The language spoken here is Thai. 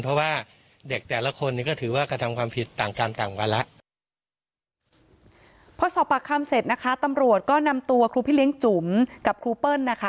พอสอบปากคำเสร็จนะคะตำรวจก็นำตัวครูพิเลี้ยงจุ๋มกับครูเปิ้ลนะคะ